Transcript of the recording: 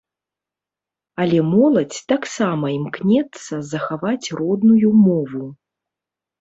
Але моладзь таксама імкнецца захаваць родную мову.